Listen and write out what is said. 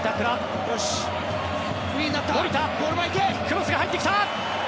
クロスが入ってきた。